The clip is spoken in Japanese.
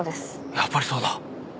やっぱりそうだ。